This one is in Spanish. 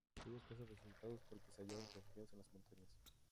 Tuvo escasos resultados porque se hallaban refugiados en las montañas.